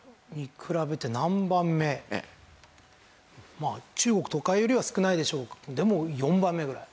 まあ中国とかよりは少ないでしょうでも４番目ぐらい。